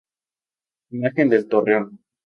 Imagen del torreón.